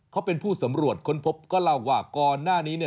เขาเป็นผู้สำรวจค้นพบก็เล่าว่าก่อนหน้านี้